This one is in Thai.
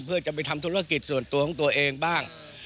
เพื่อจะไปทำธุรกิจส่วนตัวของตัวเองบ้าง